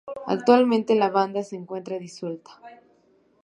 Actualmente la banda se encuentra disuelta.